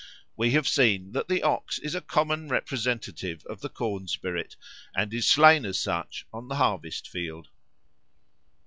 We have seen that the ox is a common representative of the corn spirit and is slain as such on the harvest field.